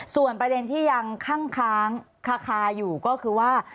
ส่วนประเด็นที่ยังคั่งค้างคาอยู่ก็คือว่า